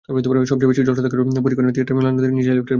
সবচেয়ে বেশি জটলা দেখা গেল পরীক্ষণ থিয়েটার মিলনায়তনের নিচে লিফটের মুখে।